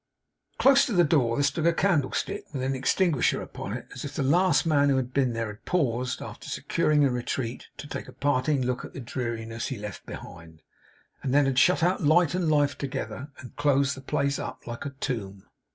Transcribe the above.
Close to the door there stood a candlestick, with an extinguisher upon it; as if the last man who had been there had paused, after securing a retreat, to take a parting look at the dreariness he left behind, and then had shut out light and life together, and closed the place up like a tomb.